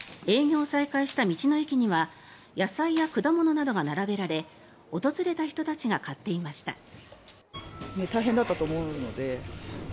営業再開した道の駅には野菜や果物などが並べられ訪れた人たちが買っていました。